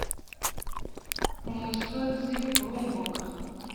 ku musozi urumbuka